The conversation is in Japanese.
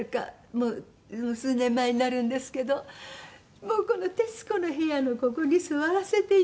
もう数年前になるんですけどもうこの『徹子の部屋』のここに座らせていただいて。